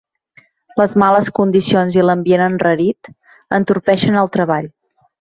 Les males condicions i l'ambient enrarit entorpeixen el treball.